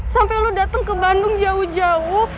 sampai lo datang ke bandung jauh jauh